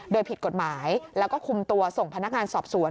โดยผิดกฎหมายแล้วก็คุมตัวส่งพนักงานสอบสวน